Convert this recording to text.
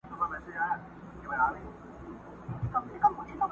منبر به وي، بلال به وي، ږغ د آذان به نه وي!.